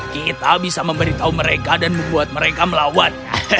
kita bisa memberitahu mereka dan membuat mereka melawan